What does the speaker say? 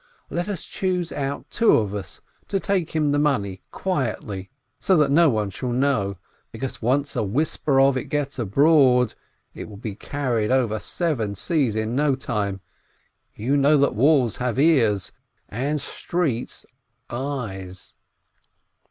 Let us choose out two of us, to take him the money quietly, so that no one shall know, because once a whisper of it gets abroad, it will be carried over seven seas in no time; you know that walls have ears, and streets, eyes."